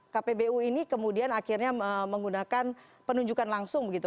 kpbu ini kemudian akhirnya menggunakan penunjukan langsung begitu